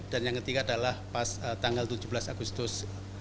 dan yang ketiga adalah pas tanggal tujuh belas agustus dua ribu dua puluh dua